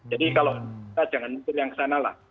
jadi kalau kita jangan menuntur yang ke sana lah